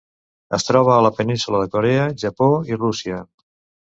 Es troba a la Península de Corea, Japó i Rússia.